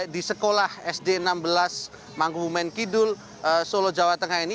di sekolah sd enam belas mangkubumen kidul solo jawa tengah ini